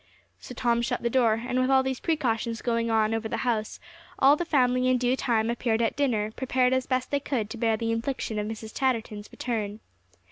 So Tom shut the door; and with all these precautions going on over the house, all the family in due time appeared at dinner, prepared as best they could be to bear the infliction of Mrs. Chatterton's return.